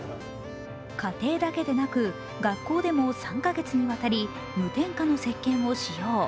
家庭だけでなく、学校でも３か月にわたり無添加のせっけんを使用。